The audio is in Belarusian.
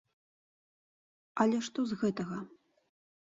Але што з гэтага?